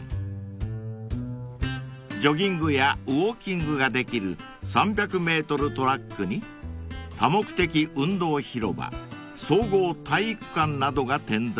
［ジョギングやウオーキングができる３００ｍトラックに多目的運動広場総合体育館などが点在］